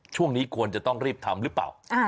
ช่วงนี้ควรจะต้องรีบทำหรือเปล่า